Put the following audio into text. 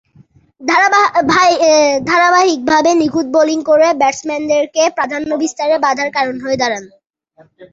ধারাবাহিকভাবে নিখুঁত বোলিং করে ব্যাটসম্যানদেরকে প্রাধান্য বিস্তারে বাঁধার কারণ হয়ে দাঁড়ান।